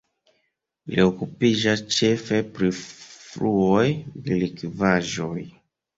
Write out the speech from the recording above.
Li okupiĝas ĉefe pri fluoj de likvaĵoj.